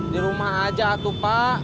di rumah aja tuh pak